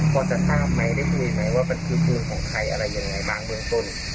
พอจะทราบไหมได้คุยไหมว่ามันคือปืนของใครอะไรยังไงบ้างเบื้องต้น